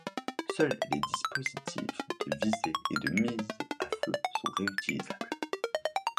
Seuls les dispositifs de visée et de mise à feu sont réutilisables.